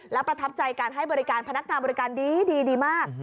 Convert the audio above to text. และประทับใจการให้บริการพนักงานบริการดีมาก